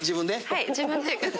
はい。